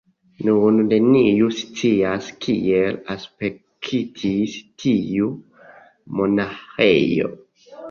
Nun neniu scias kiel aspektis tiu monaĥejo.